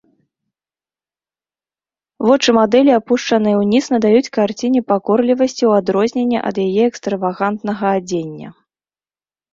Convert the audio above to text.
Вочы мадэлі, апушчаныя ўніз, надаюць карціне пакорлівасці, у адрозненне ад яе экстравагантнага адзення.